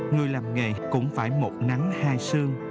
người làm nghề cũng phải một nắng hai sương